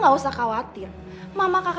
kau bisa ke rumah sekarang ya